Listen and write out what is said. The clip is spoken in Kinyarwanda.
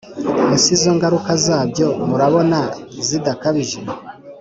ese izo ngaruka zabyo murabona zidakabije